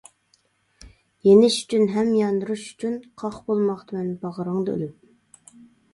يېنىش ئۈچۈن ھەم ياندۇرۇش ئۈچۈن، قاق بولماقتىمەن باغرىڭدا ئۆلۈپ.